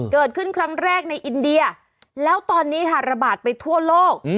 เกิดขึ้นครั้งแรกในอินเดียแล้วตอนนี้ค่ะระบาดไปทั่วโลก